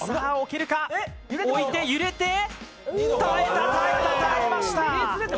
置いて、揺れて、耐えた、耐えた、耐えました。